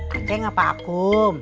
aceh apa aku